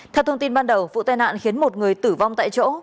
theo thông tin ban đầu vụ tai nạn khiến một người tử vong tại chỗ